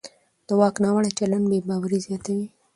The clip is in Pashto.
د واک ناوړه چلند بې باوري زیاتوي